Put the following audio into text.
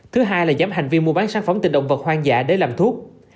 thứ hai là giám hành vi mua bán sản phẩm từ động vật hoang dã để làm thuốc